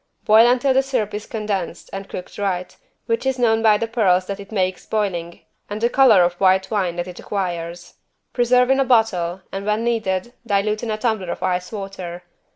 Boil until the syrup is condensed and cooked right, which is known by the pearls that it makes boiling and the color of white wine that it acquires. Preserve in a bottle, and when needed, dilute in a tumbler of ice water.